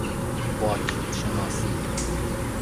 واک شناسی